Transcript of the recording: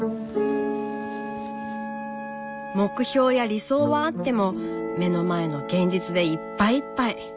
目標や理想はあっても目の前の現実でいっぱいいっぱい。